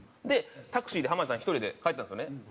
でタクシーで濱家さん１人で帰ったんですよね。